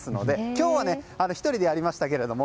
今日は１人でやりましたけれども。